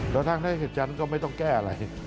กระทั่งที่เอกชนก็ไม่ต้องแก้อะไร